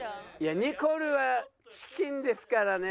ニコルはチキンですからね。